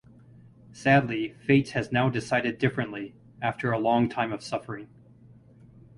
Sadly fate has now decided differently, after a long time of suffering.